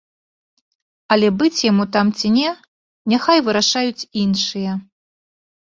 Але быць яму там ці не, няхай вырашаюць іншыя.